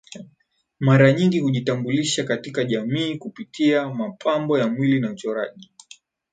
Maranyingi hujitambulisha katika jamii kupitia mapambo ya mwili na uchoraji